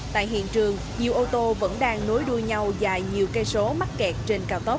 tại hiện trường nhiều ô tô vẫn đang nối đuôi nhau dài nhiều cây số mắc kẹt trên cao tốc